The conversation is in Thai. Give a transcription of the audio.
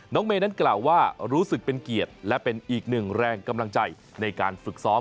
เมย์นั้นกล่าวว่ารู้สึกเป็นเกียรติและเป็นอีกหนึ่งแรงกำลังใจในการฝึกซ้อม